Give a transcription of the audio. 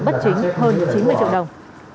bất chính hơn chín mươi triệu đồng